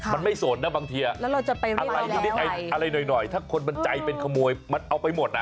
มันไม่ส่วนนะบางทีอะไรหน่อยถ้าคนมันใจเป็นขโมยมันเอาไปหมดนะ